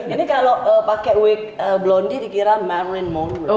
ini kalau pakai wig blondie dikira marilyn monroe